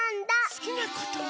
すきなことね？